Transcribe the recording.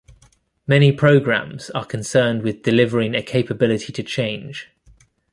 Many programs are concerned with delivering a capability to change.